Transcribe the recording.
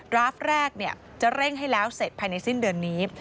ราฟแรกจะเร่งให้แล้วเสร็จภายในสิ้นเดือนนี้